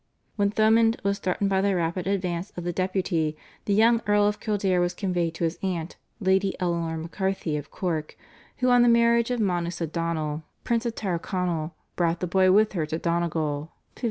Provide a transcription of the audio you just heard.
When Thomond was threatened by the rapid advance of the Deputy, the young Earl of Kildare was conveyed to his aunt, Lady Eleanor MacCarthy of Cork, who on her marriage to Manus O'Donnell, Prince of Tyrconnell, brought the boy with her to Donegal (1538).